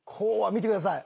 見てください。